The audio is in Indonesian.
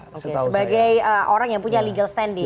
oke sebagai orang yang punya legal standing